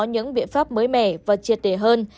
những biện pháp mới mẻ và triệt đề hơn